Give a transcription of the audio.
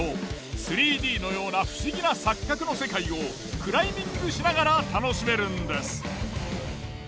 ３Ｄのような不思議な錯覚の世界をクライミングしながら楽しめるんです。